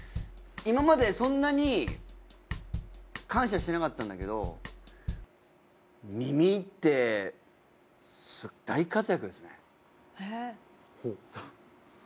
今までそんなに感謝してなかったんだけど耳って大活躍ですね。